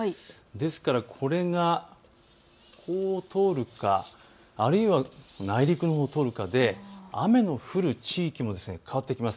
ですからこれがこう通るかあるいは内陸のほうを通るかで雨の降る地域も変わってきます。